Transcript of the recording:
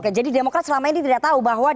oke jadi demokrat selama ini tidak tahu bahwa